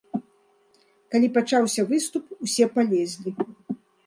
Калі пачаўся выступ, усе палезлі.